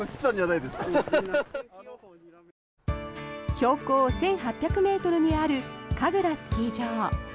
標高１８００ｍにあるかぐらスキー場。